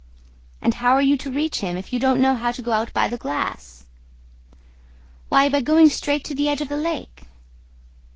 "And how are you to reach him, if you don't know how to go out by the glass?" "Why, by going straight to the edge of the lake."